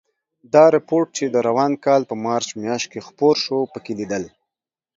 دا رپوټ چې د روان کال په مارچ میاشت کې خپور شو، پکې لیدل